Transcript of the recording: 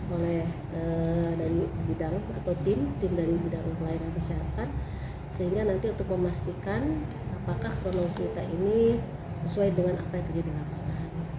oleh tim dari bidang wilayah kesehatan sehingga nanti untuk memastikan apakah kronologis kita ini sesuai dengan apa yang terjadi di lapangan